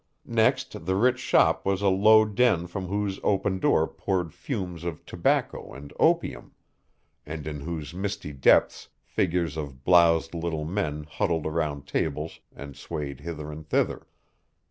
Next the rich shop was a low den from whose open door poured fumes of tobacco and opium, and in whose misty depths figures of bloused little men huddled around tables and swayed hither and thither.